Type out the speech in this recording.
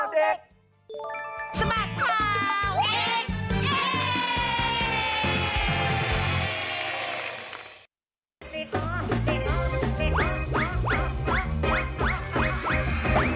สปาดข่าวเด็ก